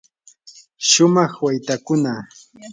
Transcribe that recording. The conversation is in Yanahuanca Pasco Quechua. shumaq waytakuna.